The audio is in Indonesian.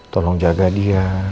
tolong jaga dia